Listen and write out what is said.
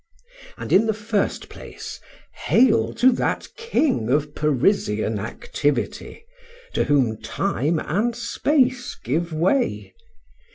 And, in the first place, hail to that king of Parisian activity, to whom time and space give way.